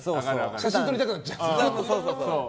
写真撮りたくなっちゃう。